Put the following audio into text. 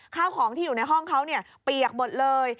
ข้าวของที่อยู่ในห้องเขาเปียกหมดเลย